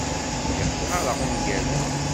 Lliɣ qqareɣ ungalen.